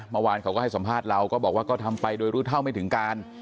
เมื่อวานเขาก็ให้สัมภาษณ์เราก็บอกว่าก็ทำไปโดยรู้เท่าไม่ถึงการ